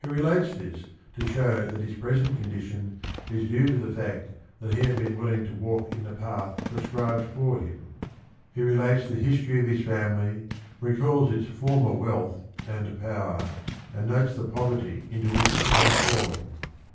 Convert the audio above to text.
He relates this to show that his present condition is due to the fact that he had been willing to walk in the path prescribed for him. He relates the history of his family, recalls its former wealth and power, and notes the poverty into which it had fallen.